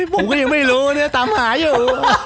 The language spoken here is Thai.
ผมก็ยังไม่รู้เนี่ยตามหาอยู่